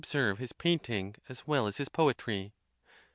205 serve his painting as well as his poetry.